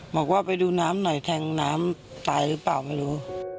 บอกว่าไปดูน้ำหน่อยแทงน้ำตายหรือเปล่าไม่รู้